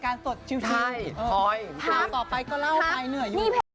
พวกเธอเย็นไปก่อนจะเหนื่อย